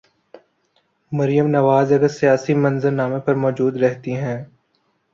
مریم نواز اگر سیاسی منظر نامے پر موجود رہتی ہیں۔